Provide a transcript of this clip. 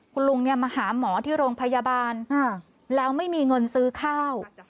คุณลุงเนี่ยมาหาหมอที่โรงพยาบาลแล้วไม่มีเงินซื้อข้าว